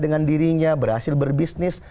dengan dirinya berhasil berbisnis